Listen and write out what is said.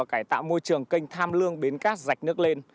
cải tạo môi trường kênh tham lương bến cát rạch nước lên